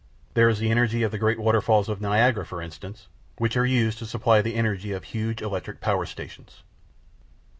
There is the energy of the great waterfalls of Niagara, for instance, which are used to supply the energy of huge electric power stations.